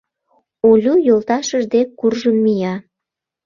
— Олю йолташыж дек куржын мия.